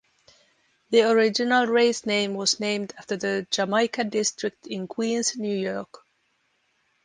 The original race name was named after the Jamaica District in Queens, New York.